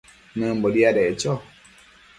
nëmbo diadeccho